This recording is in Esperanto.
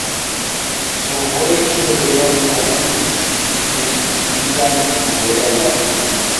Survoje io denove komencis tikli lian scivolemon.